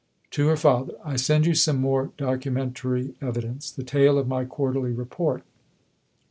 (To her Father.) ... I send you some more documentary evidence the tail of my Quarterly Report.